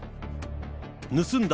盗んだ